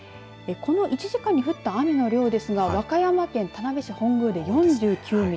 この１時間に降った雨の量ですが和歌山県田辺市本宮で４９ミリ